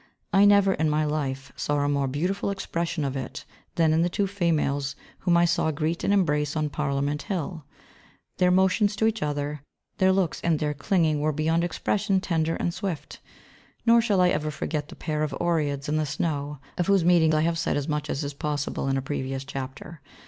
I never, in my life, saw a more beautiful expression of it than in the two females whom I saw greet and embrace on Parliament Hill. Their motions to each other, their looks and their clinging were beyond expression tender and swift. Nor shall I ever forget the pair of Oreads in the snow, of whose meeting I have said as much as is possible in a previous chapter.